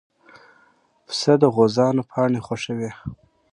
پسه د غوزانو پاڼې خوښوي.